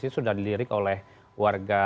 sudah dilirik oleh warga